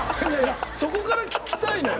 そこから聞きたいのよ。